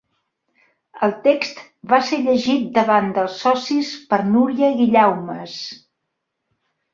El text va ser llegit davant dels socis per Núria Guillaumes.